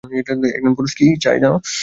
একজন পুরুষ কি চায় জান?